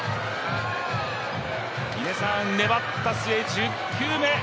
粘った末、１０球目。